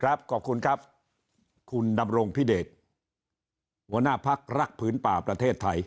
ขอบคุณครับคุณดำรงพิเดชหัวหน้าพักรักผืนป่าประเทศไทย